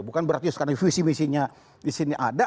bukan berarti sekarang visi misinya disini ada